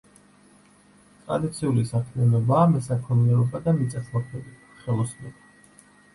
ტრადიციული საქმიანობაა მესაქონლეობა და მიწათმოქმედება, ხელოსნობა.